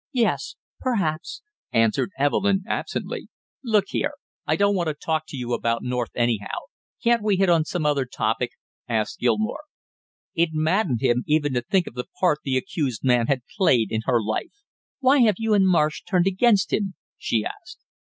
"Yes, perhaps " answered Evelyn absently. "Look here, I don't want to talk to you about North anyhow; can't we hit on some other topic?" asked Gilmore. It maddened him even to think of the part the accused man had played in her life. "Why have you and Marsh turned against him?" she asked.